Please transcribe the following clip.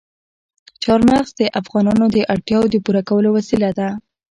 چار مغز د افغانانو د اړتیاوو د پوره کولو وسیله ده.